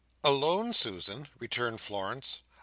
"Alone, Susan?" returned Florence.